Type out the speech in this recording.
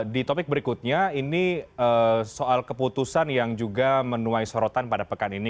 di topik berikutnya ini soal keputusan yang juga menuai sorotan pada pekan ini